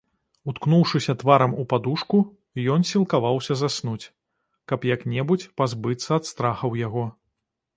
Уткнуўшыся тварам у падушку, ён сілкаваўся заснуць, каб як-небудзь пазбыцца ад страхаў яго.